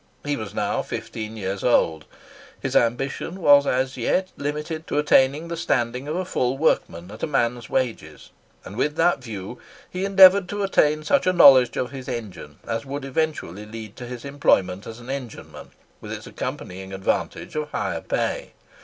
He was now fifteen years old. His ambition was as yet limited to attaining the standing of a full workman, at a man's wages; and with that view he endeavoured to attain such a knowledge of his engine as would eventually lead to his employment as an engineman, with its accompanying advantage of higher pay.